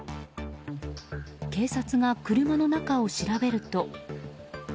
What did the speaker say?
警察が車の中を調べると。